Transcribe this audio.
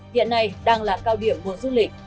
hiện này đang là cao điểm mùa du lịch